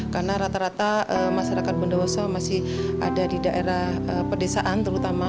karena rata rata masyarakat bondowoso masih ada di daerah pedesaan terutama